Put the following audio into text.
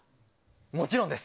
もちろんです。